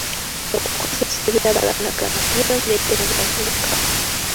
Okukozesa ebiragalalagala kweyongedde mu bavubuka.